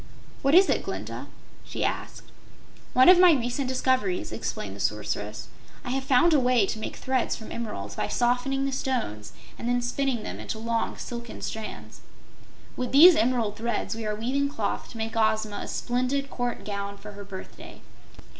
"What is it, Glinda?" she asked. "One of my recent discoveries," explained the Sorceress. "I have found a way to make threads from emeralds, by softening the stones and then spinning them into long, silken strands. With these emerald threads we are weaving cloth to make Ozma a splendid court gown for her birthday.